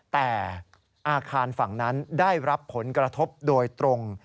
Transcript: แต่อาคารฝั่งนั้นได้รับผลกระทบโดยตรง